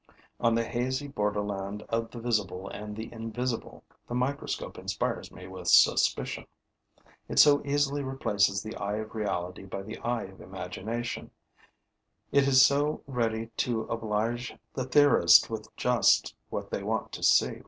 On the hazy borderland of the visible and the invisible, the microscope inspires me with suspicion. It so easily replaces the eye of reality by the eye of imagination; it is so ready to oblige the theorists with just what they want to see.